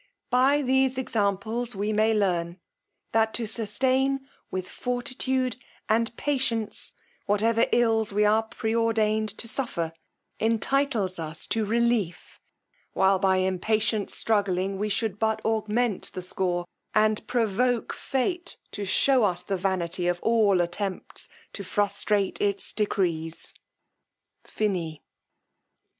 By these examples we may learn, that to sustain with fortitude and patience whatever ills we are preordained to suffer, entitles us to relief, while by impatient struggling we should but augment the score, and provoke fate to shew us the vanity of all attempts to frustrate its decrees. FINIS.